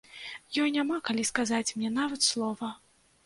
Ёй няма калі сказаць мне нават слова.